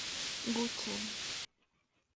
Gu Cheng.